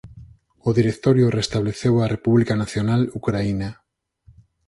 O Directorio restableceu a República Nacional Ucraína.